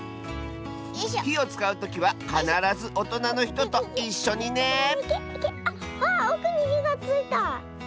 ひをつかうときはかならずおとなのひとといっしょにねあっわおくにひがついた。